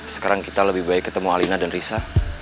sekarang kita lebih baik ketemu alina dan risa